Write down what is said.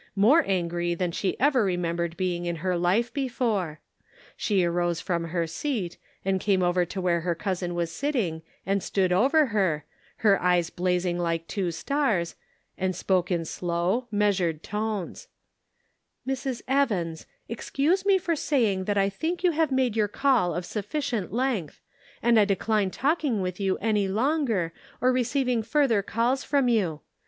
More angry than she ever remembered being in her life before. She arose from her seat and came over to where her cousin was sitting and stood before her, her eyes blazing like two stars, and spoke in slow, measured tones :" Mrs. Evans, excuse me for saying that I think you have made your call of sufficient length, and I decline talking with you any longer, or receiving further calls from you.